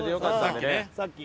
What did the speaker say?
さっきね。